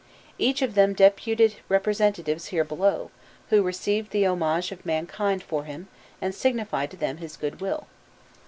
Each of them deputed representatives here below, who received the homage of mankind for him, and signified to them his will.